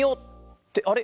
ってあれ？